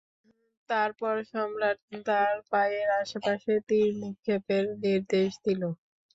তারপর সম্রাট তাঁর পায়ের আশেপাশে তীর নিক্ষেপের নির্দেশ দিল।